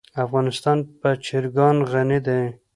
افغانستان په چرګان غني دی.